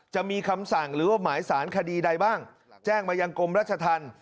จะมีคำสั่งหรือว่าหมายสารคดีใดบ้างแจ้งมายังกรมราชธรรม